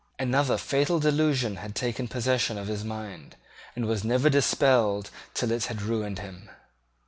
Another fatal delusion had taken possession of his mind, and was never dispelled till it had ruined him.